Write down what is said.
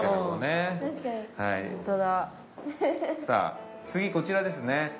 さあ次こちらですね。